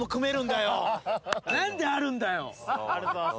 何であるんだよ！？